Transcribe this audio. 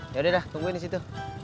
yaudah tungguin disitu